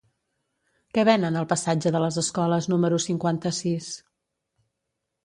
Què venen al passatge de les Escoles número cinquanta-sis?